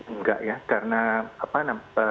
enggak ya karena pertama